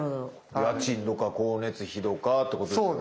家賃や光熱費とかってことですよね。